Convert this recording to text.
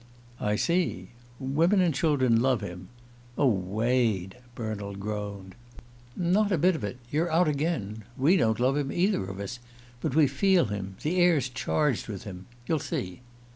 "I see. 'Women and children love him.' Oh, Wade!" Bernald groaned. "Not a bit of it! You're out again. We don't love him, either of us. But we feel him the air's charged with him. You'll see."